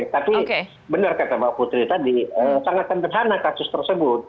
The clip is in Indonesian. tapi benar kata mbak putri tadi sangat sederhana kasus tersebut